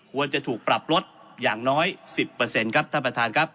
ควรจะถูกปรับลดอย่างน้อย๑๐ครับท่านประธานครับ